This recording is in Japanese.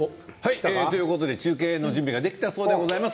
中継の準備ができたそうでございます。